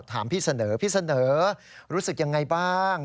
ถามพี่เสนอพี่เสนอรู้สึกยังไงบ้าง